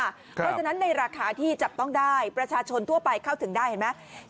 เพราะฉะนั้นในราคาที่จับต้องได้ประชาชนทั่วไปเข้าถึงได้เห็นไหม